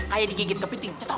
kayak digigit kepiting cetok